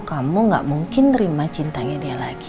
kamu gak mungkin nerima cintanya dia lagi